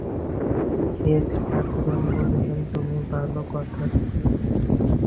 সেজ ঠাকরুন বলিলেন-তুমি ভালো কথাব কেউ নও!